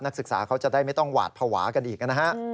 ศึกษาเขาจะได้ไม่ต้องหวาดภาวะกันอีกนะฮะ